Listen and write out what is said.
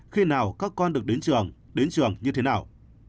khi nào các con được đến trường đến trường như thế nào